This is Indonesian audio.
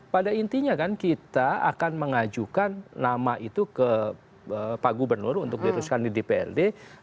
pada intinya kan kita akan mengajukan nama itu ke pak gubernur untuk diteruskan di dprd